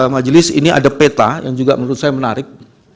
majelis ini ada peta yang juga menurut saya menarik